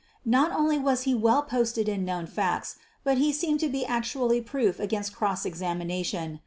Not only was he well posted in known facts, but he seemed to be actually proof against cross examination.